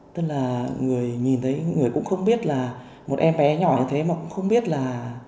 tức là người nhìn thấy người cũng không biết là một em bé nhỏ như thế mà cũng không biết là